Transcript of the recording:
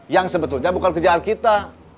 yang sebetulnya bukan kerjaan kita